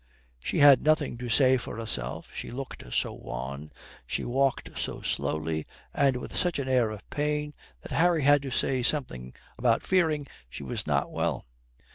She had nothing to say for herself. She looked so wan, she walked so slowly, and with such an air of pain that Harry had to say something about fearing she was not well.